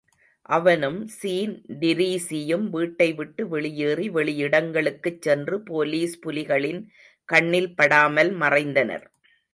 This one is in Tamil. அவனும் ஸீன்டிரீஸியும் வீட்டைவிட்டு வெளியேறி வெளியிடங்களுக்குச் சென்று போலிஸ் புலிகளின் கண்ணில் படாமல் மறைந்தனர்.